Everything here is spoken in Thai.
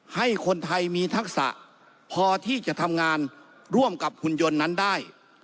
ให้คนไทยมีทักษะพอที่จะทำงานร่วมกับหุ่นยนต์นั้นได้